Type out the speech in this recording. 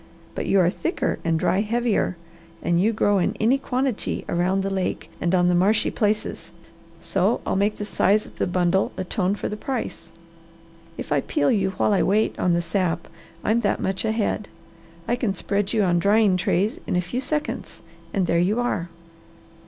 But you are thicker and dry heavier, and you grow in any quantity around the lake and on the marshy places, so I'll make the size of the bundle atone for the price. If I peel you while I wait on the sap I'm that much ahead. I can spread you on drying trays in a few seconds and there you are.